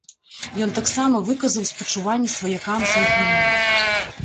Ён таксама выказаў спачуванні сваякам загінулых.